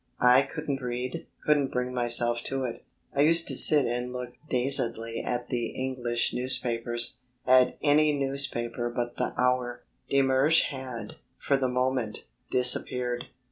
I couldn't read, couldn't bring myself to it. I used to sit and look dazedly at the English newspapers at any newspaper but the Hour. De Mersch had, for the moment, disappeared.